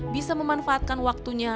bisa memanfaatkan waktunya